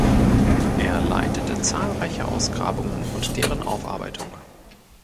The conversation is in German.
Er leitete zahlreiche Ausgrabungen und deren Aufarbeitung.